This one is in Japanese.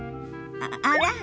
あら？